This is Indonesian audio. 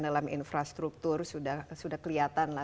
dalam infrastruktur sudah kelihatan lah